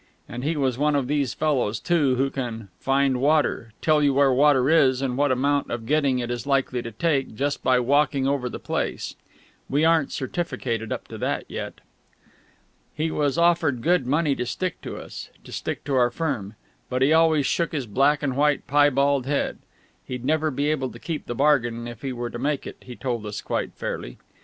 And he was one of these fellows, too, who can "find water" tell you where water is and what amount of getting it is likely to take, by just walking over the place. We aren't certificated up to that yet. He was offered good money to stick to us to stick to our firm but he always shook his black and white piebald head. He'd never be able to keep the bargain if he were to make it, he told us quite fairly.